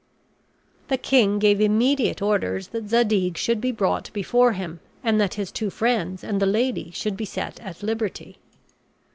The king gave immediate orders that Zadig should be brought before him, and that his two friends and the lady should be set at liberty.